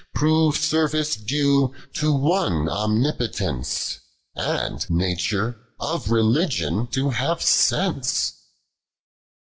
4 Prove service dao, to One Onmipotence ; And Nature, of Beligion to have sence.